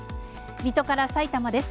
水戸からさいたまです。